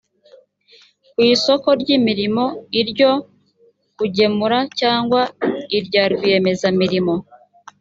ku isoko ry imirimo iryo kugemura cyangwa irya rwiyemezamirimo